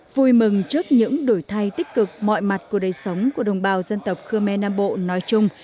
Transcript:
vui mừng trước những đổi thay tích cực mọi mặt của đời sống của đồng bào dân tộc khơ me nam bộ nói chung